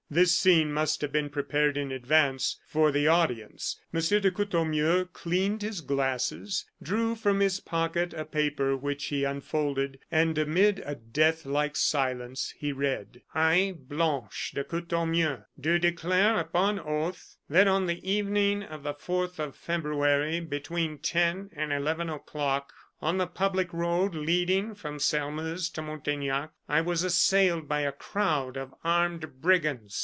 This scene must have been prepared in advance for the audience. M. de Courtornieu cleaned his glasses, drew from his pocket a paper which he unfolded, and amid a death like silence, he read: "I, Blanche de Courtornieu, do declare upon oath that, on the evening of the fourth of February, between ten and eleven o'clock, on the public road leading from Sairmeuse to Montaignac, I was assailed by a crowd of armed brigands.